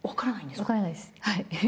分からないです。